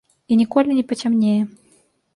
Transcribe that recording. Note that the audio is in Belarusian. І ніколі не пацямнее.